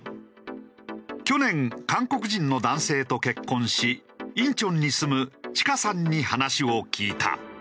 去年韓国人の男性と結婚し仁川に住むちかさんに話を聞いた。